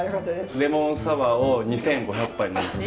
レモンサワーを２，５００杯呑んだ。